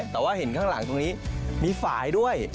แต่ว่าเห็นข้างหลังตรงนี้มีฝ่ายด้วย